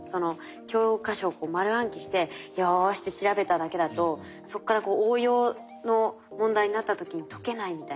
教科書丸暗記して「よし」って調べただけだとそこから応用の問題になった時に解けないみたいな。